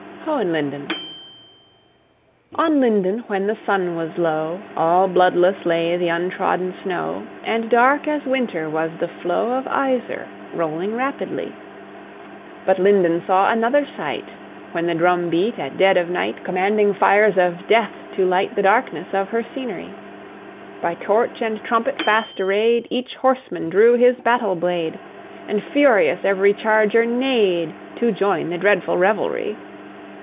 HOHENLINDEN. On Linden, when the sun was low, All bloodless lay th' untrodden snow; And dark as winter was the flow Of Iser, rolling rapidly. But Linden saw another sight, When the drum beat, at dead of night, Commanding fires of death to light The darkness of her scenery. By torch and trumpet fast array'd Each horseman drew his battle blade, And furious every charger neigh'd To join the dreadful revelry.